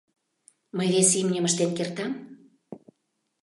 Мый вес имньым ыштен кертам.